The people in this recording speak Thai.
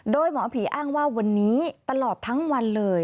โดยหมอผีอ้างว่าวันนี้ตลอดทั้งวันเลย